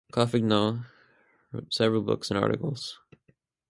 Couffignal wrote several books and articles.